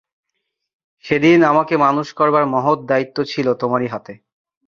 সেদিন আমাকে মানুষ করবার মহৎ দায়িত্ব ছিল তোমারই হাতে।